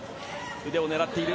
腕を狙っている。